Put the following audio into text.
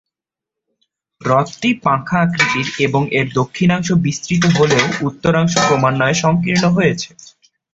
হ্রদটি পাঁখা-আকৃতির এবং এর দক্ষিণাংশ বিস্তৃত হলেও উত্তরাংশ ক্রমান্বয়ে সংকীর্ণ হয়েছে।